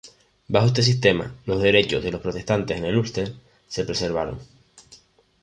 Bajo este sistema, los derechos de los protestantes en el Ulster se preservaron.